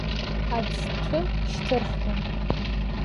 Ацҭәы шьҭырхуан.